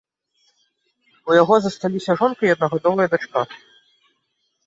У яго засталіся жонка і аднагадовая дачка.